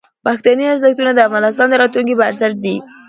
پښتني ارزښتونه د افغانستان د راتلونکي بنسټ دي.